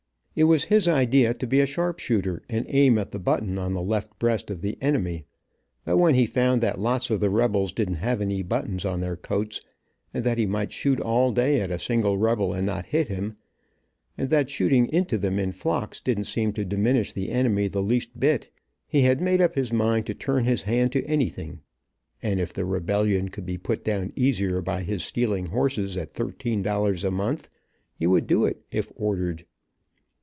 It was his idea to be a sharpshooter, and aim at the button on the left breast of the enemy, but when he found that lots of the rebels didn't have any buttons on their coats and that he might shoot all day at a single rebel and not hit him, and that shooting into them in flocks didn't seem to diminish the enemy the least bit, he had made up his mind to turn his hand to anything; and if the rebellion could be put down easier by his stealing horses at thirteen dollars a month, he would do it if ordered.